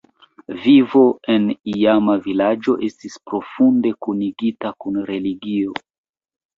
Vivo en iama vilaĝo estis profunde kunigita kun religio.